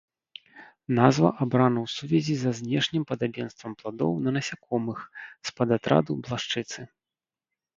Назва абрана ў сувязі са знешнім падабенствам пладоў на насякомых з падатраду блашчыцы.